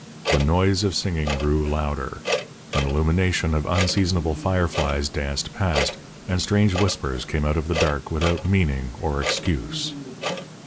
The noise of singing grew louder; an illumination of unseasonable fireflies danced past, and strange whispers came out of the dark without meaning or excuse.